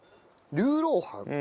ルーロー飯？